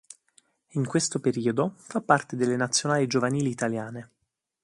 In questo periodo fa parte delle nazionali giovanili italiane.